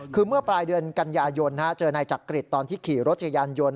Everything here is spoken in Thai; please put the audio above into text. คือเมื่อปลายเดือนกันยายนเจอนายจักริตตอนที่ขี่รถจักรยานยนต์